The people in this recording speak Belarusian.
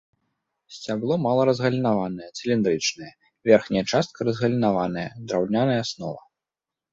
Сцябло мала разгалінаванае, цыліндрычнае, верхняя частка разгалінаваная, драўняная аснова.